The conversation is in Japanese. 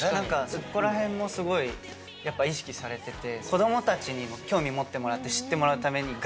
そこら辺もすごいやっぱ意識されてて。